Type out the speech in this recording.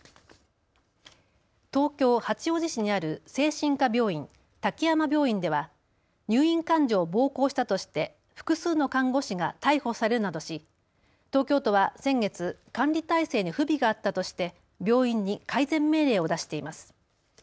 東京八王子市にある精神科病院、滝山病院では入院患者を暴行したとして複数の看護師が逮捕されるなどし東京とは先月、管理体制に不備があったとして病院に改善命令を出しています。